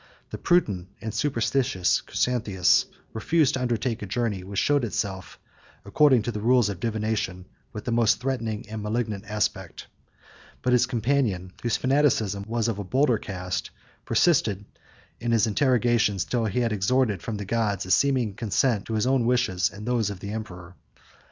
The prudent and superstitious Chrysanthius refused to undertake a journey which showed itself, according to the rules of divination, with the most threatening and malignant aspect: but his companion, whose fanaticism was of a bolder cast, persisted in his interrogations, till he had extorted from the gods a seeming consent to his own wishes, and those of the emperor.